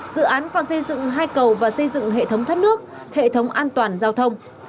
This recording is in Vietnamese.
dự án còn xây dựng hai cầu và xây dựng hệ thống thoát nước hệ thống an toàn giao thông